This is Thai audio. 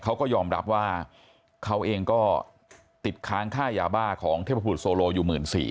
เขาก็ยอมรับว่าเขาเองก็ติดค้างค่ายาบ้าของเทพบุตรโซโลอยู่๑๔๐๐